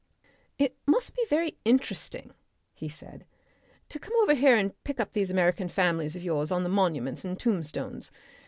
"It must be very interesting," he said, "to come over here and pick up these American families of yours on the monuments and tombstones.